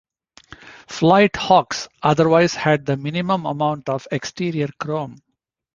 Flight Hawks otherwise had the minimum amount of exterior chrome.